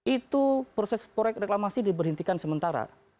itu proses proyek reklamasi diberhentikan sementara